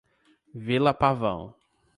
Vila Pavão